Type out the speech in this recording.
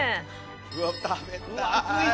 食べたい。